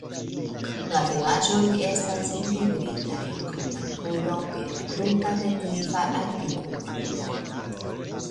La vilaĝoj estas integritaj kun naturo per kruta dekliva agrikulturo.